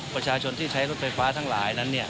ประชาชนที่ใช้รถไฟฟ้าทั้งหลายนั้น